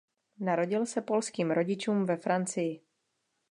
Narodil se polským rodičům ve Francii.